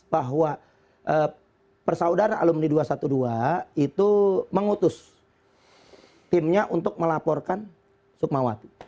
bahwa persaudaraan alumni dua ratus dua belas itu mengutus timnya untuk melaporkan sukmawati